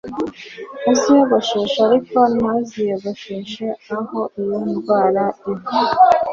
aziyogosheshe ariko ntaziyogosheshe aho iyo ndwara iva